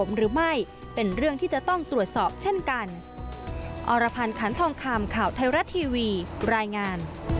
เวลาที่สุดท้ายโปรดติดตามตอนต่อไป